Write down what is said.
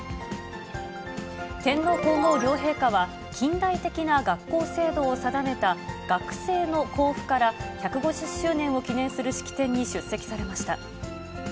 天皇皇后両陛下は、近代的な学校制度を定めた学制の公布から１５０周年を記念する式典に出席されました。